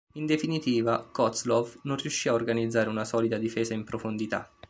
In definitiva, Kozlov non riuscì a organizzare una solida difesa in profondità.